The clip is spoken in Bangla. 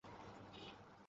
তোমাকে দেখে ভালো লাগল।